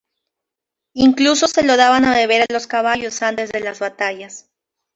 Incluso se lo daban a beber a los caballos antes de las batallas.